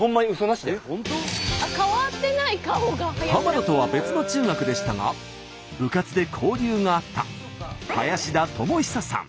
田とは別の中学でしたが部活で交流があった林田智永さん。